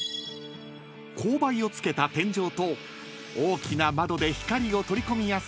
［勾配をつけた天井と大きな窓で光を取り込みやすい］